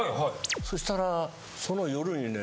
そしたらその夜にね